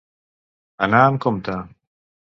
Anar amb compte.